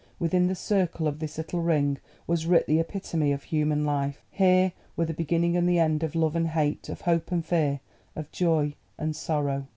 Within the circle of this little ring was writ the epitome of human life: here were the beginning and the end of Love and Hate, of Hope and Fear, of Joy and Sorrow.